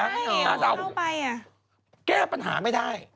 ใช่เหรอมันเท่าไหร่อ่ะน่าจะเอาแก้ปัญหาไม่ได้